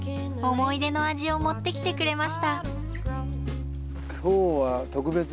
思い出の味を持ってきてくれました。